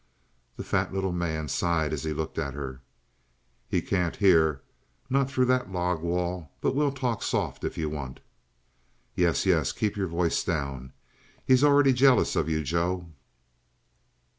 The fat little man sighed as he looked at her. "He can't hear. Not through that log wall. But we'll talk soft, if you want." "Yes, yes. Keep your voice down. He's already jealous of you, Joe."